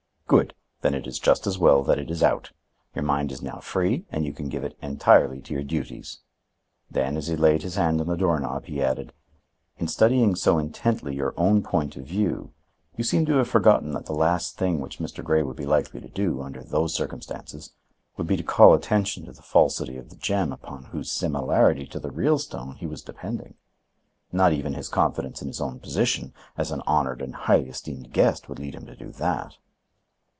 "Good! then it is just as well that it is out. Your mind is now free and you can give it entirely to your duties." Then, as he laid his hand on the door knob, he added: "In studying so intently your own point of view, you seem to have forgotten that the last thing which Mr. Grey would be likely to do, under those circumstances, would be to call attention to the falsity of the gem upon whose similarity to the real stone he was depending. Not even his confidence in his own position, as an honored and highly esteemed guest, would lead him to do that."